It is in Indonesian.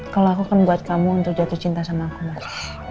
kalau aku kan buat kamu untuk jatuh cinta sama aku mas